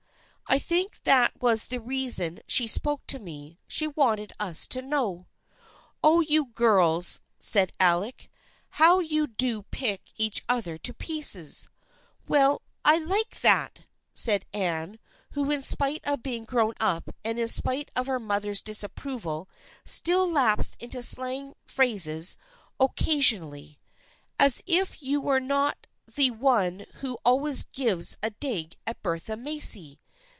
I think that was the reason she spoke to me. She wanted us to know it." " Oh, you girls !" said Alec. " How you do pick each other to pieces." " Well, I like that !" said Anne, who in spite of being grown up and in spite of her mother's disapproval, still lapsed into slang phrases occa THE FKIENDSHIP OF ANNE 821 sionally. "As if you were not the one who always gives a dig at Bertha Macy